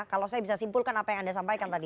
kalau saya bisa simpulkan apa yang anda sampaikan tadi